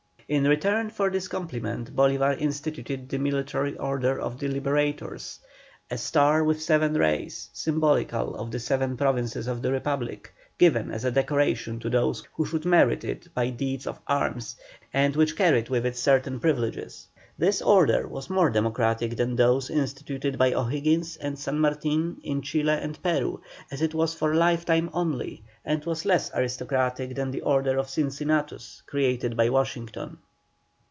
In return for this compliment Bolívar instituted the military order of "The Liberators"; a star with seven rays, symbolical of the seven provinces of the Republic, given as a decoration to those who should merit it by deeds of arms, and which carried with it certain privileges. This order was more democratic than those instituted by O'Higgins and San Martin in Chile and Peru, as it was for lifetime only, and was less aristocratic than the order of Cincinnatus created by Washington.